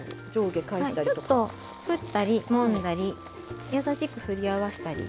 ちょっと振ったりもんだり優しくすり合わしたり。